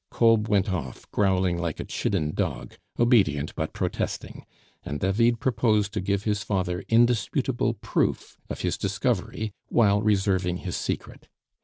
Kolb went off, growling like a chidden dog, obedient but protesting; and David proposed to give his father indisputable proof of his discovery, while reserving his secret.